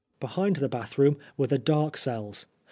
Behind the bath room were the dark cells.